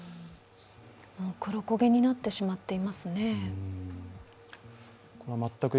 黒焦げになってしまっていますね。